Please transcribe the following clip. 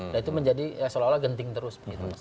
dan itu menjadi seolah olah genting terus